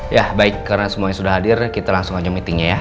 ya baik karena semuanya sudah hadir kita langsung aja meetingnya ya